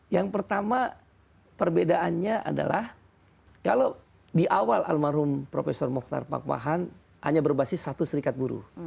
yang pertama perbedaannya adalah kalau di awal almarhum prof mokhtar pakpahan hanya berbasis satu serikat buruh